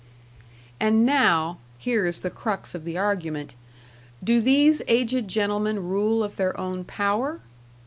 And now here is the crux of the argument do these aged gentlemen rule of their own power?